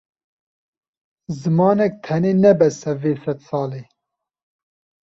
Zimanek tenê ne bes e vê sedsalê.